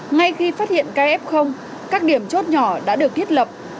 ngay khi phát hiện kf các điểm chốt nhỏ đã được thiết lập